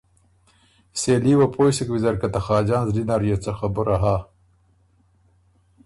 سېلي وه پویٛ سُک ویزر که ته خاجان زلی نر يې څه خبُره هۀ۔